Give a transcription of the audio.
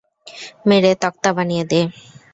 মেরে তক্তা বানিয়ে দে!